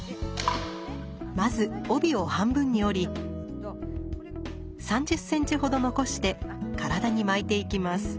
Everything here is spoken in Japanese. まず帯を半分に折り３０ｃｍほど残して体に巻いていきます。